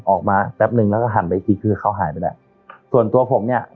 แป๊บนึงแล้วก็หันไปอีกทีคือเขาหายไปแล้วส่วนตัวผมเนี่ย